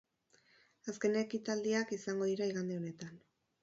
Azken ekitaldiak izango dira igande honetan.